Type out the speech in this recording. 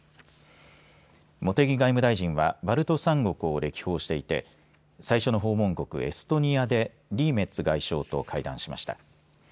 茂木外務大臣はバルト３国を歴訪していて最初の訪問国、エストニアでリーメッツ外相と会談しました。